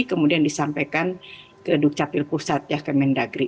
kemudian disampaikan ke dukcapil pusat ya ke mendagri